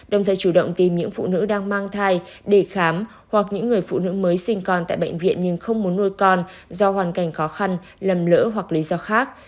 đồng thời chủ động tìm những phụ nữ đang mang thai để khám hoặc những người phụ nữ mới sinh con tại bệnh viện nhưng không muốn nuôi con do hoàn cảnh khó khăn lầm lỡ hoặc lý do khác